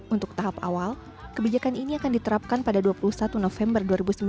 untuk tahap awal kebijakan ini akan diterapkan pada dua puluh satu november dua ribu sembilan belas